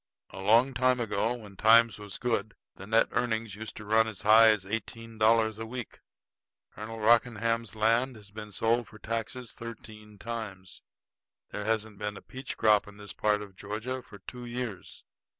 A long time ago, when times was good, the net earnings used to run as high as eighteen dollars a week. Colonel Rockingham's land has been sold for taxes thirteen times. There hasn't been a peach crop in this part of Georgia for two years.